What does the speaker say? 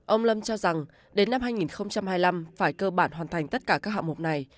ông lâm cho rằng đến năm hai nghìn hai mươi năm phải cơ bản hoàn thành tất cả các hạng mục này